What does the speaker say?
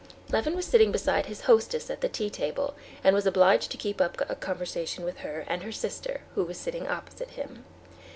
Levin was sitting beside his hostess at the tea table, and was obliged to keep up a conversation with her and her sister, who was sitting opposite him.